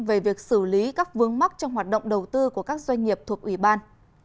về việc xử lý các vướng mắc trong hoạt động đầu tư của các doanh nghiệp thuộc ủy ban